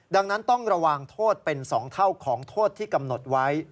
ดังนั้นต้องระวังโทษเป็น๒เท่าของโทษที่กำหนดไว้